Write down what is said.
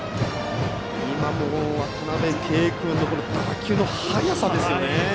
今のも渡辺憩君の打球の速さですよね。